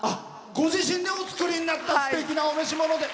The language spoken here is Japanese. ご自身でお作りになったすてきなお召し物で。